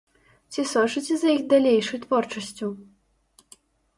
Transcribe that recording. Ці сочыце за іх далейшай творчасцю?